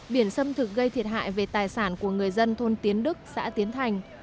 biển xâm thực gây thiệt hại về tài sản của người dân thôn tiến đức xã tiến thành